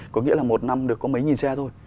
có nghĩa là một năm được có mấy nghìn xe thôi